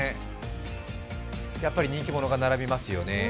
やっぱり人気者が並びますよね。